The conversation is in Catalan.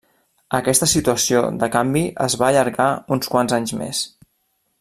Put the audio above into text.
Aquesta situació de canvi es va allargar uns quants anys més.